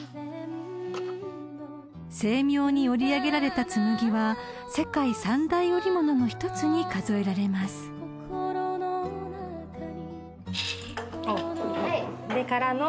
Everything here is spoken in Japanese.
［精妙に織り上げられた紬は世界三大織物の１つに数えられます］でからの。